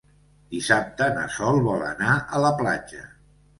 Dissabte na Sol vol anar a la platja.